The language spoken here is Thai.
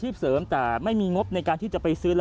เปลี่ยนไปเชื่อล่ะ